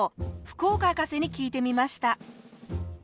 福岡博士に聞いてみました。